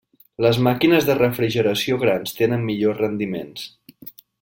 Les màquines de refrigeració grans tenen millors rendiments.